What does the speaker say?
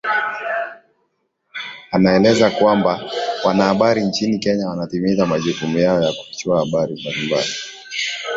anaeleza kwamba wanahabri nchini Kenya wanatimiza majukumu yao ya kufichua habari mbalimbali